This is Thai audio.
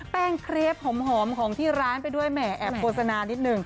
แป้งเครปหอมของที่ร้านไปด้วยแหมแอบโฆษณานิดนึง